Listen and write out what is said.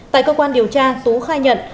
tại cơ quan điều tra tú khai nhận